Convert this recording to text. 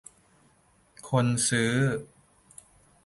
คนซื้อ